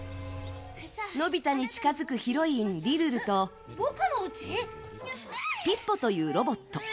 のび太に近づくヒロイン・リルルとピッポというロボット。